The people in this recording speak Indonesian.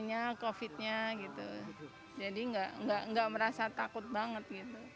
jadi nggak merasa takut banget